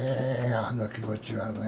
あの気持ちはねえ。